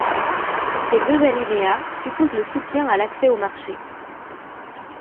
Ces deux alinéas supposent le soutien à l’accès aux marchés.